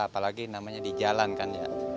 apalagi namanya di jalan kan ya